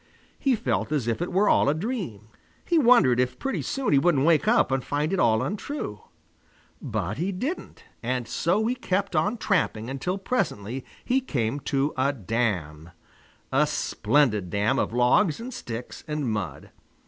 He felt as if it were all a dream. He wondered if pretty soon he wouldn't wake up and find it all untrue. But he didn't, and so he kept on tramping until presently he came to a dam, a splendid dam of logs and sticks and mud.